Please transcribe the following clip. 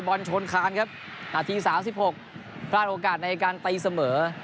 บอร์นโชนครามครับนาทีสามสิบหกเกลาเกิดในการตีเสมอ